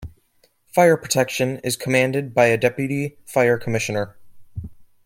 Fire Prevention is commanded by a Deputy Fire Commissioner.